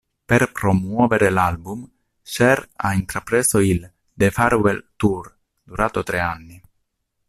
Per promuovere l'album Cher ha intrapreso il "The Farewell Tour" durato tre anni.